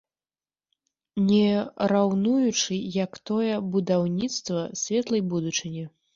Не раўнуючы, як тое будаўніцтва светлай будучыні.